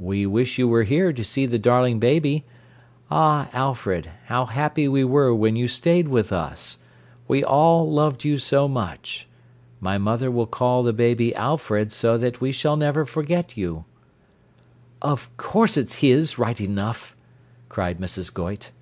We wish you were here to see the darling baby. Ah, Alfred, how happy we were when you stayed with us. We all loved you so much. My mother will call the baby Alfred so that we shall never forget you '" "Of course it's his right enough," cried Mrs. Goyte.